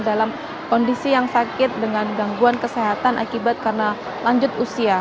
dalam kondisi yang sakit dengan gangguan kesehatan akibat karena lanjut usia